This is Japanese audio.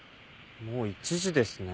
もう１時ですね。